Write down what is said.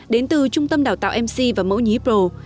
đến từ trung tâm đào tạo mc và mẫu nhí pro